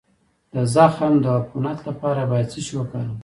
د زخم د عفونت لپاره باید څه شی وکاروم؟